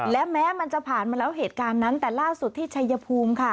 และแม้มันจะผ่านมาแล้วเหตุการณ์นั้นแต่ล่าสุดที่ชัยภูมิค่ะ